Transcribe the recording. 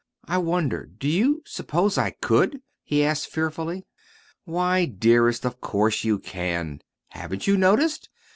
"I wonder do you suppose I could?" he asked fearfully. "Why, dearest, of course you can! Haven't you noticed?